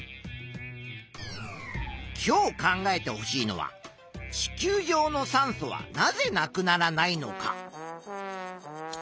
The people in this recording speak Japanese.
今日考えてほしいのは地球上の酸素はなぜなくならないのか。